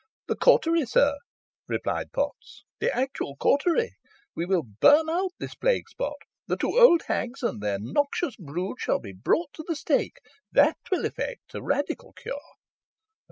"The cautery, sir," replied Potts, "the actual cautery we will burn out this plague spot. The two old hags and their noxious brood shall be brought to the stake. That will effect a radical cure."